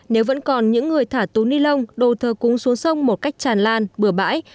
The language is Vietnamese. nếu vẫn còn những người thả túi ni lông đồ thờ cúng xuống sông một cách tràn lan bừa bãi